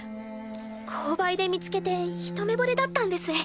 購買で見つけてひと目惚れだったんです。